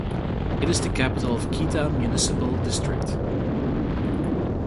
It is the capital of the Keta Municipal District.